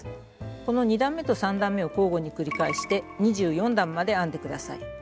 この２段めと３段めを交互に繰り返して２４段まで編んで下さい。